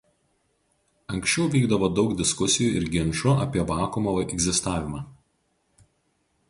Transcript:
Anksčiau vykdavo daug diskusijų ir ginčų apie vakuumo egzistavimą.